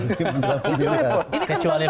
ini kan tantangan